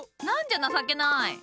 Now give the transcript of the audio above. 何じゃ情けない。